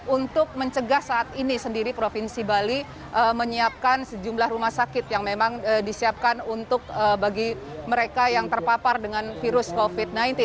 untuk mencegah saat ini sendiri provinsi bali menyiapkan sejumlah rumah sakit yang memang disiapkan untuk bagi mereka yang terpapar dengan virus covid sembilan belas